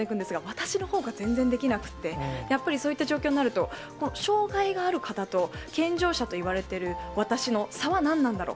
私のほうが全然できなくて、やっぱりそういった状況になると、障がいがある方と健常者といわれてる私の差は何なんだろう。